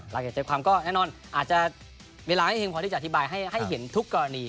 เก็บใจความก็แน่นอนอาจจะเวลาไม่เพียงพอที่จะอธิบายให้เห็นทุกกรณี